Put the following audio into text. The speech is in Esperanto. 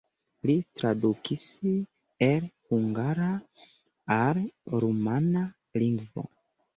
Li tradukis el hungara al rumana lingvo.